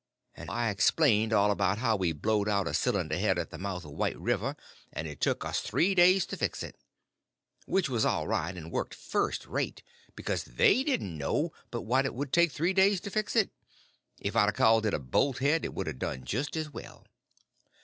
And I explained all about how we blowed out a cylinder head at the mouth of White River, and it took us three days to fix it. Which was all right, and worked first rate; because they didn't know but what it would take three days to fix it. If I'd a called it a bolthead it would a done just as well.